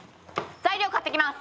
材料買ってきます！